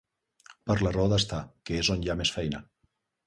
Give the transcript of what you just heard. Per la raó d'estar, que és on hi ha més feina.